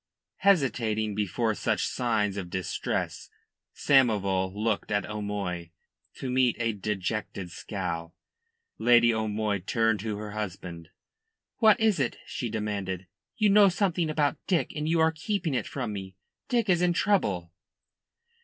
Hesitating before such signs of distress, Samoval looked at O'Moy, to meet a dejected scowl. Lady O'Moy turned to her husband. "What is it?" she demanded. "You know something about Dick and you are keeping it from me. Dick is in trouble?"